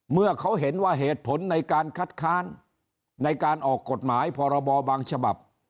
เมื่อเขาเห็นว่าเหตุผลในการคัดค้านในการออกกฎหมายพรบบางฉบับ